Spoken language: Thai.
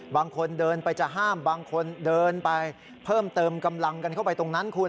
บางคนเดินไปจะห้ามบางคนเดินไปเพิ่มเติมกำลังกันเข้าไปตรงนั้นคุณ